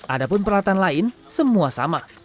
ada pun peralatan lain semua sama